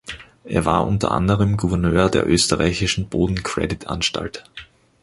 Er war unter anderem Gouverneur der Österreichischen Boden-Credit-Anstalt.